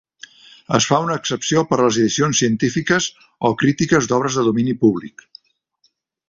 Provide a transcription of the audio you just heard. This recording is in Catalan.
Es fa una excepció per a les edicions científiques o crítiques d'obres de domini públic.